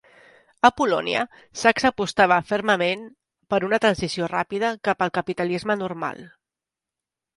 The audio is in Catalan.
A Polònia, Sachs apostava fermament per una transició ràpida cap al capitalisme "normal".